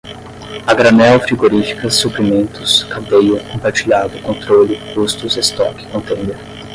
a granel frigoríficas suprimentos cadeia compartilhado controle custos estoque contêiner